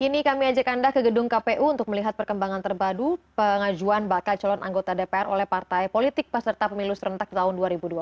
kini kami ajak anda ke gedung kpu untuk melihat perkembangan terpadu pengajuan bakal calon anggota dpr oleh partai politik peserta pemilu serentak tahun dua ribu dua puluh